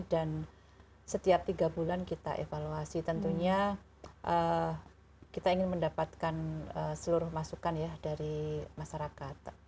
dan setiap tiga bulan kita evaluasi tentunya kita ingin mendapatkan seluruh masukan ya dari masyarakat